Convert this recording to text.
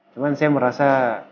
cuma saya merasa